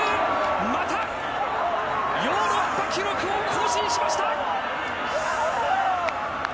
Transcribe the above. またヨーロッパ記録を更新しました。